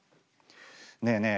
ねえねえ